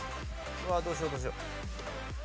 うわあどうしようどうしよう。